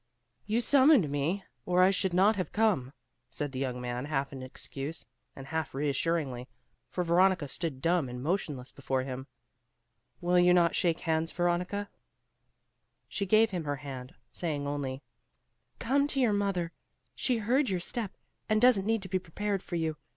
"You summoned me, or I should not have come;" said the young man, half in excuse, and half reassuringly, for Veronica stood dumb and motionless before him. "Will you not shake hands, Veronica?" She gave him her hand, saying only, "Come to your mother; she heard your step, and doesn't need to be prepared for you.